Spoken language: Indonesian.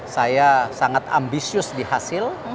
saya sangat ambisius di hasil